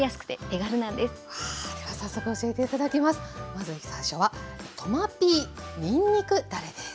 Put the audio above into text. まず最初はトマピーにんにくだれです。